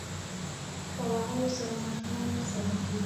په وهلو سره ماشومان نه سمیږی